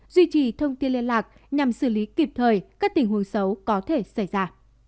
duy trì thông tin liên lạc nhằm xử lý kịp thời các tình huống xấu có thể xảy ra